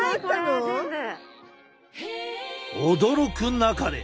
驚くなかれ！